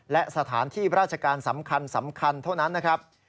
และสถานที่ราชการสำคัญเท่านั้นนะครับ